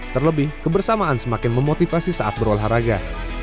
terlebih kebersamaan semakin memotivasi saat berolahraga